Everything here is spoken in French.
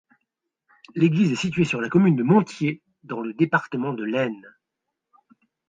L'église est située sur la commune de Monthiers, dans le département de l'Aisne.